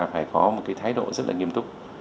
phải có một cái thái độ rất là nghiêm túc